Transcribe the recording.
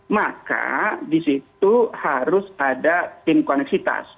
maka di situ harus ada tim koneksitas